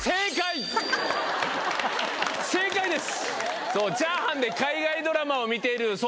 正解です！